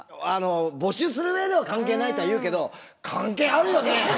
募集する上では関係ないとは言うけど関係あるよね！